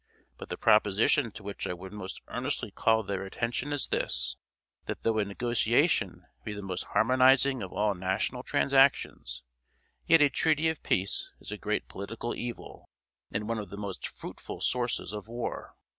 But the proposition to which I would most earnestly call their attention is this, that though a negotiation be the most harmonizing of all national transactions, yet a treaty of peace is a great political evil, and one of the most fruitful sources of war.